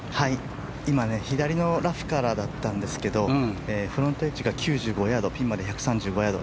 今、左のラフからだったんですけどフロントエッジが９５ヤードピンまで１３５ヤード。